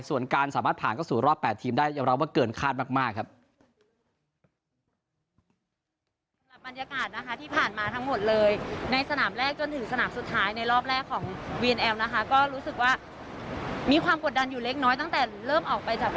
ส่วนการสามารถผ่านเข้าสู่รอบ๘ทีมได้ยอมรับว่าเกินคาดมากครับ